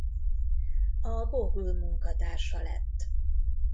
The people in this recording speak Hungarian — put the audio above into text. A Google munkatársa lett.